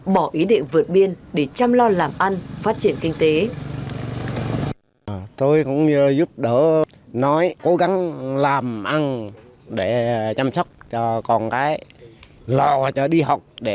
bỏ ý định vượt biên để chăm lo làm ăn phát triển kinh tế